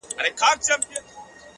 مهرباني د انسان نرم ځواک دی.